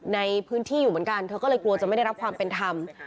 ในพื้นที่อยู่เหมือนกันเธอก็เลยกลัวจะไม่ได้รับความเป็นธรรม